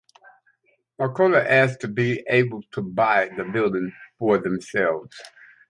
Macao asked to be able to buy the building for themselves.